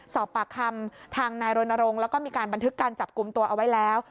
สอบปากคำทางนายรณรงค์แล้วก็มีการบันทึกการจับกลุ่มตัวเอาไว้แล้ว